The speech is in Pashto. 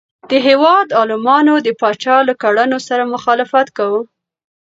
د هیواد عالمانو د پاچا له کړنو سره مخالفت کاوه.